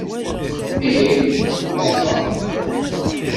Ih, lluẓeɣ.